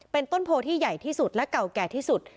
เป็นต้นโพที่ใหญ่ที่สุดและเก่าแก่ที่สุด